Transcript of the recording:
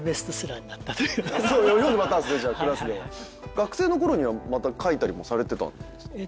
学生のころにはまた書いたりもされてたんですか？